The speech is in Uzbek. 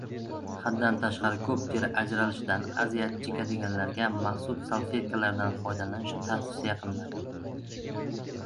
Haddan tashqari ko‘p teri ajralishidan aziyat chekadiganlarga maxsus salfetkalardan foydalanish tavsiya qilinadi